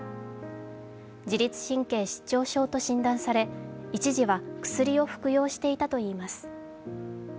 自律神経失調症と診断され一時は薬を服用していたといいます。